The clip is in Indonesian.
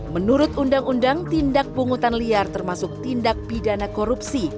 menurut undang undang tindak pungutan liar termasuk tindak pidana korupsi